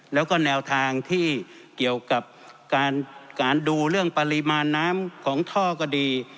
แล้วก็แนวทางที่เกี่ยวกับการดูเรื่องปริมาณน้ำของท่อก็ดี